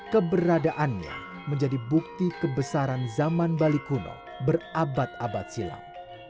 keberadaannya menjadi bukti kebesaran zaman bali kuno berabad abad silam